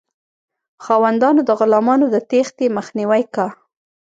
خاوندانو د غلامانو د تیښتې مخنیوی کاوه.